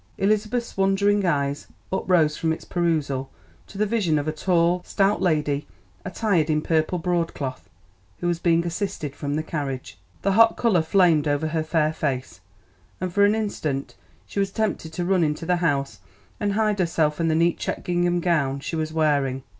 Elizabeth's wondering eyes uprose from its perusal to the vision of a tall, stout lady attired in purple broadcloth who was being assisted from the carriage. The hot colour flamed over her fair face, and for an instant she was tempted to run into the house and hide herself and the neat checked gingham gown she was wearing.